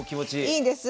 いいです。